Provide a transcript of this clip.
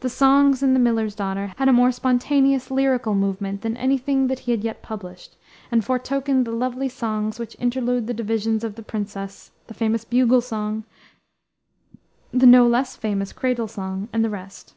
The songs in the Miller's Daughter had a more spontaneous, lyrical movement than any thing that he had yet published, and foretokened the lovely songs which interlude the divisions of the Princess, the famous Bugle Song, the no less famous Cradle Song, and the rest.